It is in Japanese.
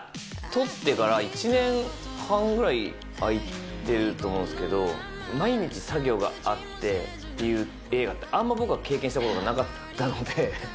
撮ってから１年半ぐらい空いてると思うんですけど、毎日作業があってっていう映画ってあんまり僕は経験したことがなかったので。